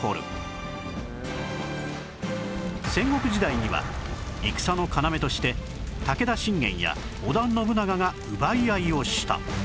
戦国時代には戦の要として武田信玄や織田信長が奪い合いをした